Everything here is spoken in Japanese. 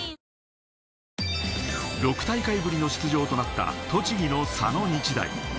６大会ぶりの出場となった栃木の佐野日大。